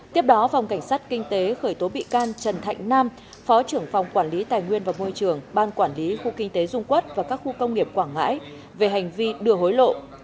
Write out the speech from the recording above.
tiếp đó phòng cảnh sát kinh tế khởi tố bị can trần thạnh nam phó trưởng phòng quản lý tài nguyên và môi trường ban quản lý khu kinh tế dung quốc và các khu công nghiệp quảng ngãi về hành vi đưa hối lộ